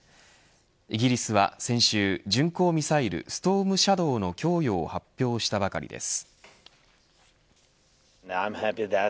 イギリスは先週、巡航ミサイルストームシャドーの供与を発表したばかりです。